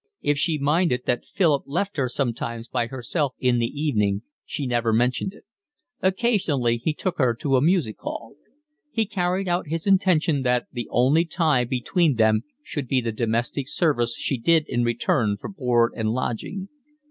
If she minded that Philip left her sometimes by herself in the evening she never mentioned it. Occasionally he took her to a music hall. He carried out his intention that the only tie between them should be the domestic service she did in return for board and lodging.